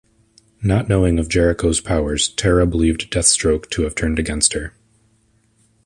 Not knowing of Jericho's powers, Terra believed Deathstroke to have turned against her.